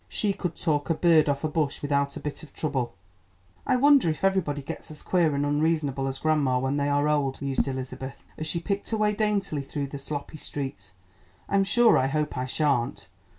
She could talk a bird off a bush without a bit of trouble." "I wonder if everybody gets as queer and unreasonable as grandma when they are old," mused Elizabeth, as she picked her way daintily through the sloppy streets. "I'm sure I hope I sha'n't.